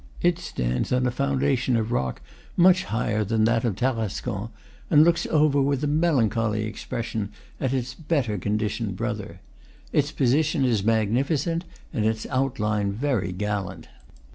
It stands on a foundation of rock much higher than that of Tarascon, and looks over with a melancholy expression at its better conditioned brother. Its position is magnificent, and its outline very gallant.